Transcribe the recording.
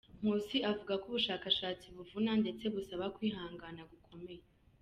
Nkusi avuga ko ubushakashatsi buvuna ndetse busaba kwihangana gukomeye.